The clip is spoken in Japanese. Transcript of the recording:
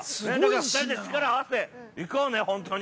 ◆２人で力を合わせて、行こうね、本当に。